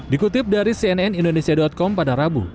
dikutip dari cnn indonesia com pada rabu